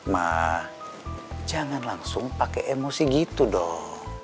ma jangan langsung pake emosi gitu dong